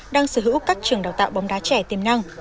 đang sở hữu các trường đào tạo bóng đá trẻ tiềm năng